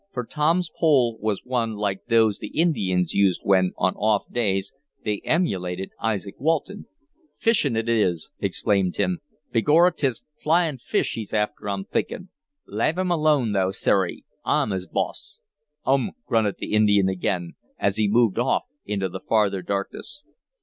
for Tom's pole was one like those the Indians used when, on off days, they emulated Izaak Walton. "Fishin' is it!" exclaimed Tim. "Begorra 'tis flyin' fish he's after I'm thinkin'. Lave him alone though, Serri! I'm his boss!" "Um!" grunted the Indian again, as he moved off into the farther darkness.